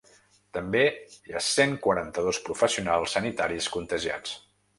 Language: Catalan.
També hi ha cent quaranta-dos professionals sanitaris contagiats.